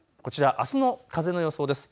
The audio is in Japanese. あすの風の予想です。